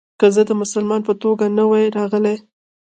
که زه د مسلمان په توګه نه وای راغلی.